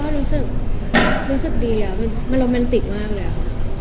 รู้สึกดีมันรอมแมนติกมากเลย